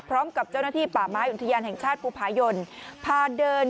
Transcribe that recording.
พร้อมกับเจ้าหน้าที่ป่าไม้อุทยานแห่งชาติภูผายนพาเดิน